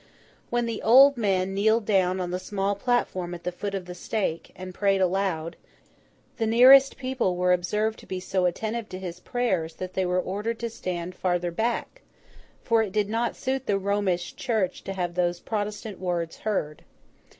When the old man kneeled down on the small platform at the foot of the stake, and prayed aloud, the nearest people were observed to be so attentive to his prayers that they were ordered to stand farther back; for it did not suit the Romish Church to have those Protestant words heard.